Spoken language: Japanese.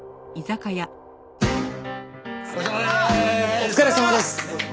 お疲れさまです。